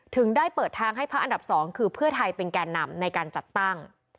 ได้เปิดทางให้พักอันดับ๒คือเพื่อไทยเป็นแก่นำในการจัดตั้ง